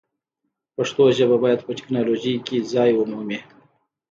پښتو ژبه باید په ټکنالوژۍ کې ځای ومومي.